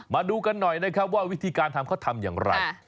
มาดูกันหน่อยนะครับว่าวิธีการทำเขาทำอย่างไร